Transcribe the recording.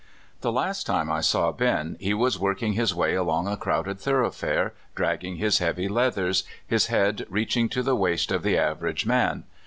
The last time I saw Ben he was working his way along a crowded thoroughfare, dragging his heavy leathers, his head reaching to the waist of the average man.